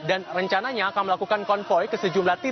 dan rencananya akan melakukan konvoy ke sejumlah tiga